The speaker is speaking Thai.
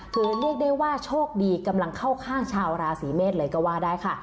คือเรียกได้ว่าโชคดีกำลังเข้าข้างชาวราศีเมษเลยก็ว่าได้ค่ะ